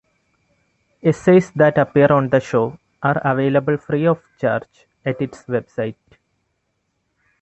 Essays that appear on the show are available free of charge at its website.